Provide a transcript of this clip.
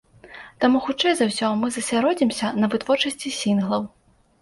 Таму хутчэй за ўсё мы засяродзімся на вытворчасці сінглаў.